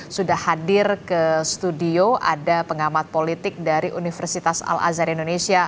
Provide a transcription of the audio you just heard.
sudah hadir ke studio ada pengamat politik dari universitas al azhar indonesia